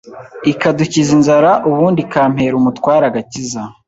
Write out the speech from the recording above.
ikadukiza inzara ubundi ikampera umutware agakiza